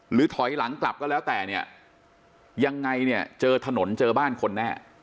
ถอยหลังกลับก็แล้วแต่เนี่ยยังไงเนี่ยเจอถนนเจอบ้านคนแน่